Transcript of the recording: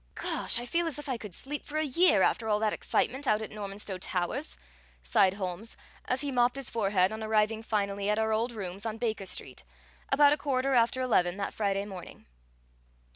"Gosh! I feel as if I could sleep for a year, after all that excitement out at Normanstow Towers!" sighed Holmes, as he mopped his forehead on arriving finally at our old rooms on Baker Street, about a quarter after eleven that Friday morning.